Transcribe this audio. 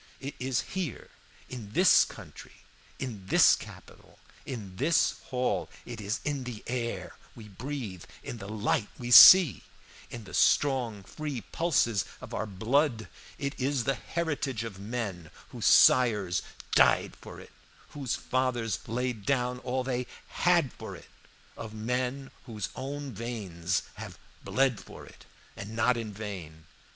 It is here, in this country, in this capital, in this hall, it is in the air we breathe, in the light we see, in the strong, free pulses of our blood; it is the heritage of men whose sires died for it, whose fathers laid down all they had for it, of men whose own veins have bled for it and not in vain.